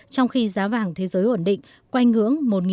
trong khi giá vàng thế giới ổn định quanh ngưỡng một ba trăm linh đô la một ounce